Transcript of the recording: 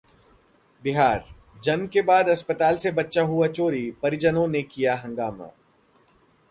बिहार: जन्म के बाद अस्पताल से बच्चा हुआ चोरी, परिजनों ने किया हंगामा